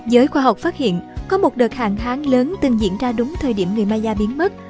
giới khoa học phát hiện có một đợt hạn hán lớn từng diễn ra đúng thời điểm người maya biến mất